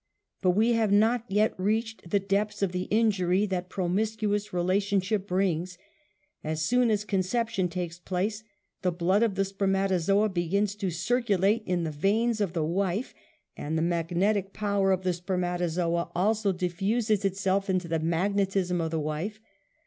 But we have not yet reached the depths of the injury that promiscuous relationship brings. As soon as conception takes place, the blood of the spermatozoa begins to circulate in the veins of the wife, and the magnetic power of the spermatozoa 26 UNMASKED. also diffuses itself into the magnetism of the wife.